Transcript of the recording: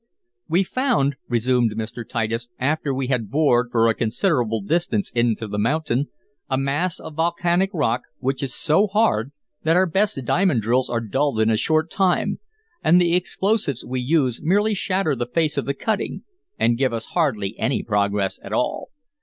"We found," resumed Mr. Titus, "after we had bored for a considerable distance into the mountain, a mass of volcanic rock which is so hard that our best diamond drills are dulled in a short time, and the explosives we use merely shatter the face of the cutting, and give us hardly any progress at all.